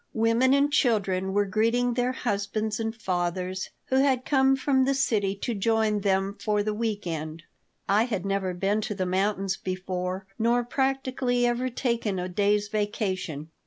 Women and children were greeting their husbands and fathers who had come from the city to join them for the week end. I had never been to the mountains before, nor practically ever taken a day's vacation.